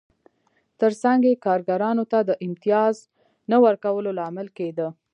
ترڅنګ یې کارګرانو ته د امتیاز نه ورکولو لامل کېده